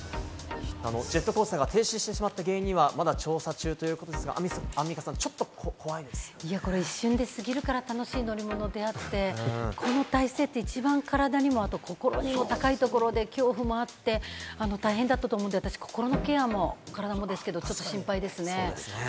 ジェットコースターが停止してしまった原因はまだ調査中ということですが、アンミカさ一瞬で過ぎるから楽しいものであって、この体勢って一番体にも心にも高いところで恐怖もあって、大変だったと思うので、心のケアも体もですけれども心配ですね。